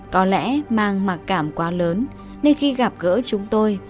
có lẽ mang mặc cảm quá lớn nên khi gặp gỡ chúng tôi